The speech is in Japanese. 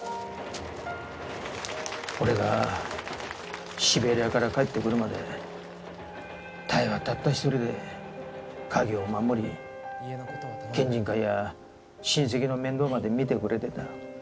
俺がシベリアから帰ってくるまで多江はたった一人で家業を守り県人会や親戚の面倒まで見てくれてた。